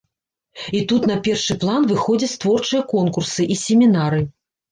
І тут на першы план выходзяць творчыя конкурсы і семінары.